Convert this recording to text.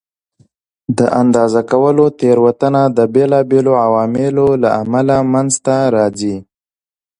د اندازه کولو تېروتنه د بېلابېلو عواملو له امله منځته راځي.